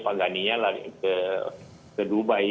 pak gani nya lari ke dubai